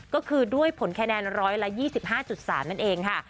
ก็คือด้วยผลคะแนน๑๒๕๓นั่นเองค่ะ